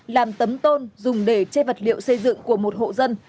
làm tấm tôn dùng để che vật liệu xây dựng của một hộ dân